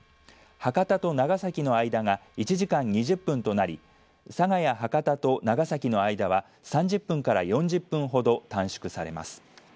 博多と長崎の間が１時間２０分となり佐賀や博多と長崎の間は３０分から４０分ほど短縮されます。